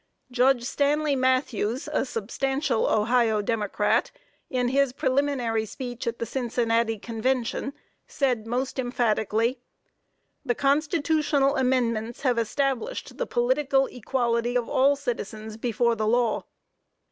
Judge Stanley Mathews a substantial Ohio democrat in his preliminary speech at the Cincinnati convention, said most emphatically: "The constitutional amendments have established the political equality of all citizens before the law."